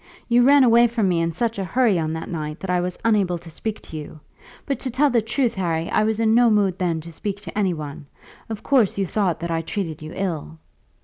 "You ran away from me in such a hurry on that night that I was unable to speak to you. But to tell the truth, Harry, I was in no mood then to speak to any one. Of course you thought that I treated you ill."